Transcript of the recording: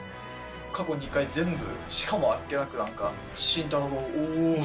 過去２回全部、しかもあっけなく、なんか、慎太郎。